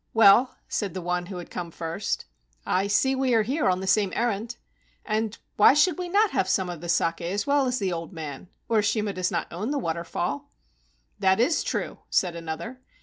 "Well," said the one who had come first, "I see we are here on the same errand. And why should we not have some of the saki as well as the old man ? Urishima does not own the waterfall." "That is true," said another.